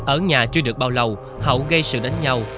ở nhà chưa được bao lâu hậu gây sự đánh nhau